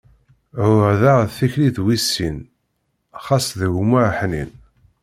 Ɛuhdeɣ tikli d wissin, xas d gma aḥnin.